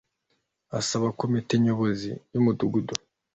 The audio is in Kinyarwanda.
Asaba komite nyobozi y umudugudu